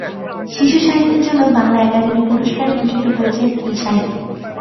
শিশু সাহিত্যের জন্য বাংলা একাডেমি পুরস্কারে ভূষিত হয়েছেন এই সাহিত্যিক।